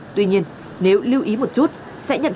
tuy nhiên nếu lưu ý một chút sẽ nhận